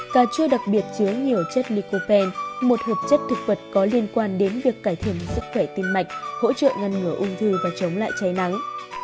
cà chua đặc biệt chứa nhiều chất nicopen một hợp chất thực vật có liên quan đến việc cải thiện sức khỏe tim mạch hỗ trợ ngăn ngừa ung thư và chống lại cháy nắng